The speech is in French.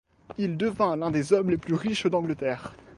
Il devint l'un des hommes les plus riches d'Angleterre.